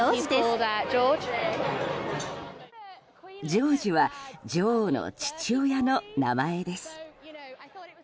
ジョージは女王の父親の名前です。